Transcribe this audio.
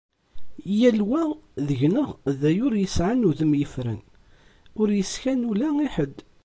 Yal wa deg-neɣ d ayyur yesεan udem yeffren ur yeskan ula i ḥedd.